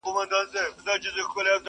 • انسانان لا هم زده کوي تل,